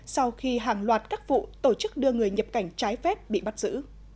sau khi hàng loạt các vụ tổ chức đưa người nhập cảnh trái phép bị bắt giữ